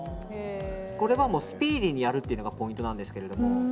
これはスピーディーにやるのがポイントなんですけど。